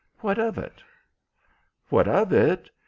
What of it?" "What of it?